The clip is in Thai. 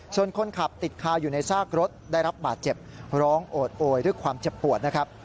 ส่วนคนขับติดคาอยู่ในซากรถได้รับบาดเจ็บร้องโอดโอยด้วยความเจ็บปวดนะครับ